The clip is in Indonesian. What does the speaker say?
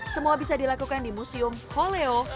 semua bisa dilakukan di museum holeo